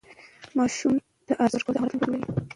ماشوم ته ارزښت ورکول د هغه راتلونکی جوړوي.